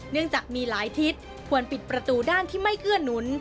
เนื่องจากมีหลายทิศควรปิดประตูด้านที่ไม่เกื้อหนุน